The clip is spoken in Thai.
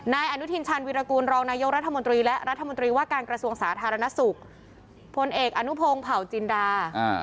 นายอนุทินชาญวิรากูลรองนายกรัฐมนตรีและรัฐมนตรีว่าการกระทรวงสาธารณสุขพลเอกอนุพงศ์เผาจินดา